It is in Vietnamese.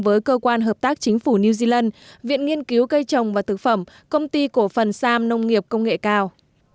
với cơ quan hợp tác chính phủ new zealand viện nghiên cứu cây trồng và thực phẩm công ty cổ phần sam nông nghiệp công nghệ cao